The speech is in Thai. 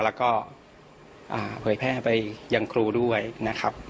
แล้วก็เผยแพร่ไปยังครูด้วยนะครับ